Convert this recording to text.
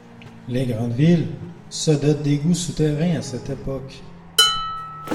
Les grandes villes se dotent d'égouts souterrains à cette époque.